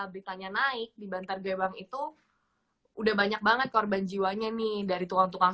beritanya naik di bantar gebang itu udah banyak banget korban jiwanya nih dari tukang tukang